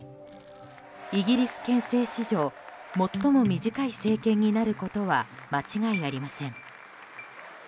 イギリス憲政史上最も短い政権になることは間違いありません。